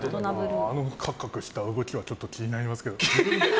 あのカクカクした動きは気になりますけど。